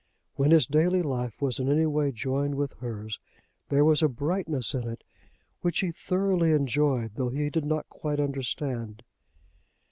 When his daily life was in any way joined with hers there was a brightness in it which he thoroughly enjoyed though he did not quite understand.